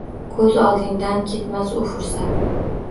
Ko’z oldingdan ketmas u fursat